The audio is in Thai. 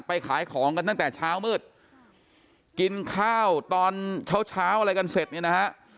ไปขายของกันตั้งแต่เช้ามืดกินข้าวตอนเช้าอะไรกันเสร็จ